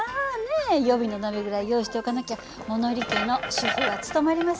予備の鍋ぐらい用意しておかなきゃ物理家の主婦は務まりませんよ。